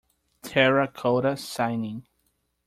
Terracotta Sighing.